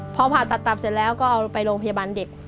พอผ่าตัดตับเสร็จแล้วก็เอาไปโรงพยาบาลเด็ก